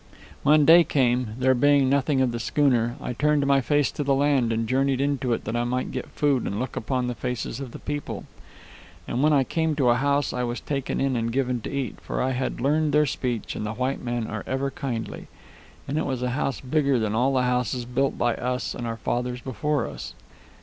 "When day came, there being nothing of the schooner, I turned my face to the land and journeyed into it that I might get food and look upon the faces of the people. And when I came to a house I was taken in and given to eat, for I had learned their speech, and the white men are ever kindly. And it was a house bigger than all the houses built by us and our fathers before us."